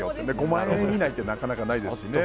５万円以内ってなかなかないですしね。